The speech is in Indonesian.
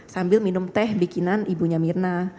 sambil minum teh bikinan ibunya mirna